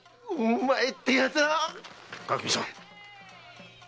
垣見さん